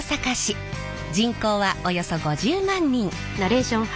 人口はおよそ５０万人。